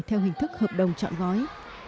theo hình thức hợp đồng chọn gói